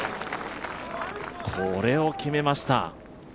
これを決めました。